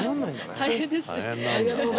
大変ですね。